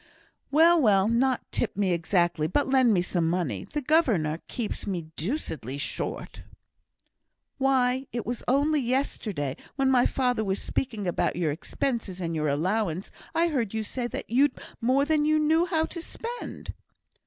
"Well! well! not tip me exactly, but lend me some money. The governor keeps me so deucedly short." "Why! it was only yesterday, when my father was speaking about your expenses, and your allowance, I heard you say that you'd more than you knew how to spend."